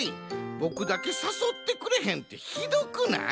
ボクだけさそってくれへんってひどくない？